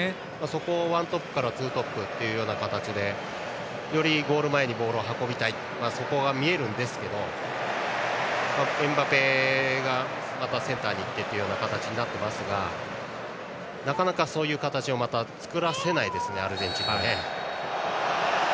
ワントップからツートップの形でよりゴール前にボールを運びたいそこが見えてエムバペがまたセンターに行ってという形になっていますがなかなか、そういう形を作らせませんねアルゼンチンが。